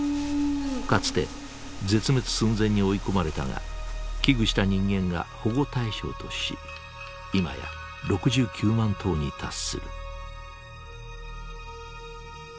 かつて絶滅寸前に追い込まれたが危惧した人間が保護対象としいまや６９万頭に達する。